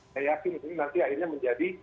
saya yakin ini nanti akhirnya menjadi